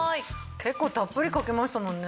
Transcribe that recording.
結構たっぷりかけましたもんね。